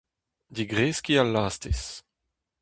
Digreskiñ al lastez.